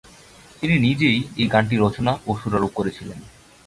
তিনি নিজেই এই গানটি রচনা এবং সুরারোপ করেছিলেন।